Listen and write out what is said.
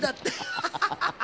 アハハハ！